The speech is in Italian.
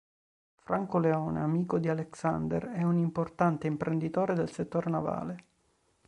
Franco Leone, amico di Alexander, è un importante imprenditore del settore navale.